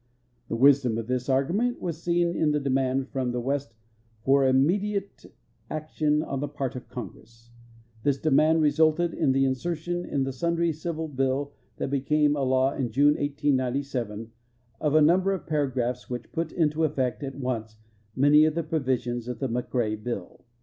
The wisdom of this argument was seen in the demand from the West for immediate GEORGE W. MELVILLE ]k7 action on the part of Congress. This (k niand rf.sultod in the insertion in the snndrv civil hill that hecanie a law Jniie, 1<S'.>7, of a nntnher of paragraphs which put into etl'ect at once many of the provisions of the McRae hill.